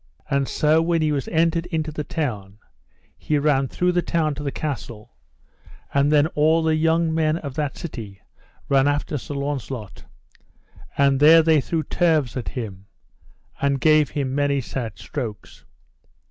And so when he was entered into the town he ran through the town to the castle; and then all the young men of that city ran after Sir Launcelot, and there they threw turves at him, and gave him many sad strokes.